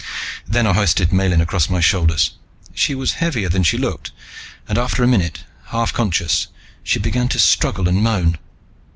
Then I hoisted Miellyn across my shoulders. She was heavier than she looked, and after a minute, half conscious, she began to struggle and moan.